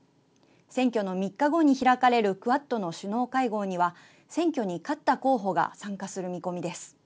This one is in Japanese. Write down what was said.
選挙の３日後に開かれるクアッドの首脳会合には選挙に勝った候補が参加する見込みです。